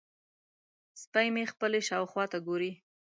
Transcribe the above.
سپی مې خپلې شاوخوا ته ګوري.